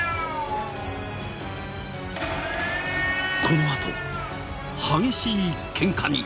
このあと激しいケンカに！